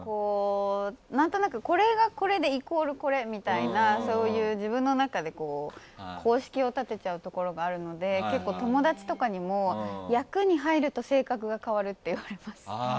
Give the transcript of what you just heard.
何となく、これはこれでイコールこれみたいな自分の中で公式を立てちゃうところがあるので結構、友達とかにも役に入ると性格が変わるって言われます。